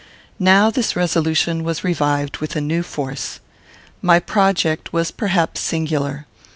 Now this resolution was revived with new force. My project was perhaps singular.